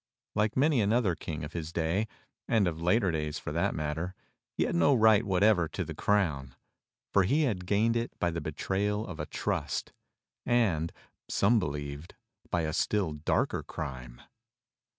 Like many another king of his day — and of later days for that matter — he had no right what ever to the crown, for he had gained it by the betrayal of a trust, and, some believed, by a still darker crime.